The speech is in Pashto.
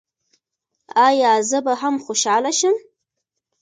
ایا زه به هم خوشحاله شم؟